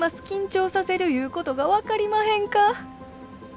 緊張させるいうことが分かりまへんか！